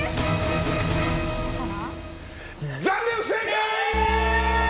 残念、不正解！